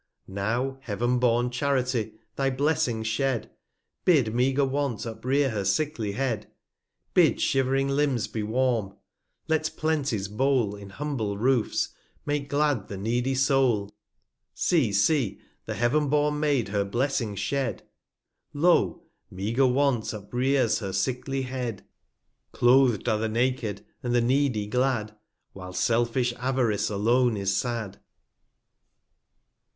320 Now, Heav'n born Charity , thy Blessings shed ; Bid meagre Want uprear her sickly Head: Bid shiv'ring Limbs be warm ; let Plenty's Bowie, In humble Roofs, make glad the needy Soul. See, see, the Heav'n born Maid her Blessings shed. Lo ! meagre Want uprears her sickly Head; 326 CRIES OF LONDON: ANY BAKEING PEARES T R I r I A 27 Cloath'd are the Naked, and the Needy glad, While selfish Avarice alone is sad.